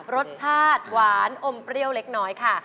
รสชาติหวานอมเปรี้ยวเล็กน้อยค่ะ